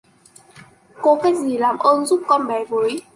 cô cách gì làm ơn giúp con bé với